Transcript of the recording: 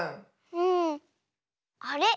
うん。あれ？